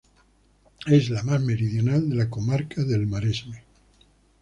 Es la más meridional de la comarca de El Maresme.